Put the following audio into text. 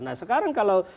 nah sekarang kalau